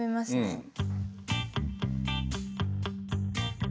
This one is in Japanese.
うん。